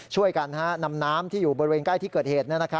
ช่วยกันนำน้ำที่อยู่บริเวณใกล้ที่เกิดเหตุ